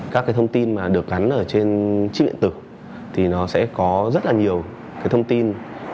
các thông tin được gắn trên chiếc điện tử thì nó sẽ có rất là nhiều thông tin